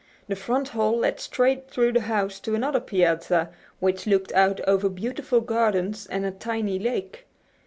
The front hall led straight through the house to another piazza, which looked out over beautiful gardens and a tiny lake.